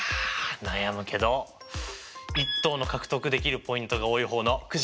悩むけど１等の獲得できるポイントが多い方のくじＢにしたいと思います！